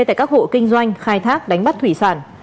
tại các hộ kinh doanh khai thác đánh bắt thủy sản